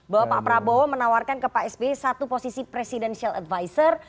bahwa pak prabowo menawarkan ke pak sby satu posisi presidential advisor